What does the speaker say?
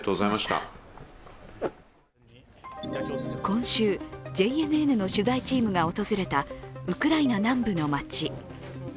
今週、ＪＮＮの取材チームが訪れたウクライナ南部の町。